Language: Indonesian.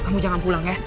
kamu jangan pulang ya